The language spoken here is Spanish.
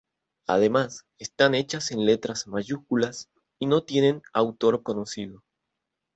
Además, están hechas en letras mayúsculas y no tienen autor conocido.